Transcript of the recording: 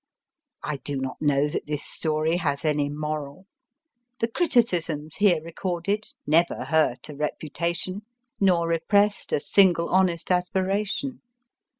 I do not know that this story has any moral. The criticisms here recorded never hurt a repu BRET HARTE 267 tation nor repressed a single honest aspiration.